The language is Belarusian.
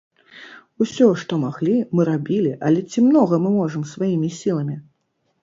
Усё, што маглі, мы рабілі, але ці многа мы можам сваімі сіламі?